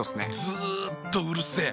ずっとうるせえ。